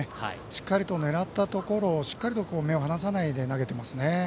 しっかりと狙ったところを目を離さないで投げていますね。